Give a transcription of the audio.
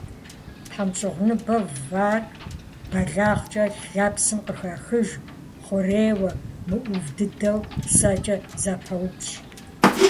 ТхьэмщӀыгъуныбэ вар бэлагъкӀэ лэпсым къыхахыж, хъурейуэ, мыӀув дыдэу сэкӀэ зэпаупщӀ.